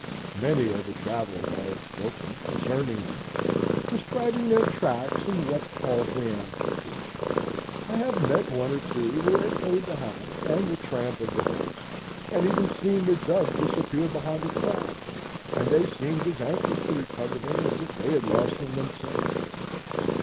Many are the travellers I have spoken concerning them, describing their tracks and what calls they answered to. I have met one or two who had heard the hound, and the tramp of the horse, and even seen the dove disappear behind a cloud, and they seemed as anxious to recover them as if they had lost them themselves.